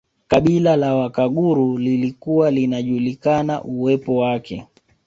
Kabila la Wakaguru lilikuwa linajulikana uwepo wake